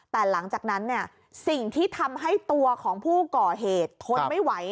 แต่หลังจากนั้นสิ่งที่ทำให้ตัวของผู้ก่อเหตุทนไม่ไหว